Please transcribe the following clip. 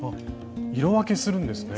色分けするんですね。